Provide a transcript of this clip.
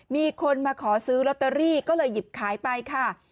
มีคนมาขอซื้อลอตเตอรี่ก็เลยหยิบขายไปค่ะ